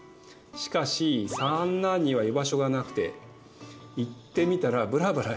しかし三男には居場所がなくて言ってみたらブラブラしている。